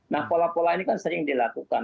nah pola pola ini kan sering dilakukan